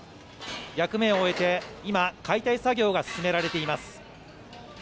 役目を終えて、今解体作業が進められています。